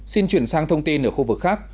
xin chuyển sang thông tin ở khu vực khác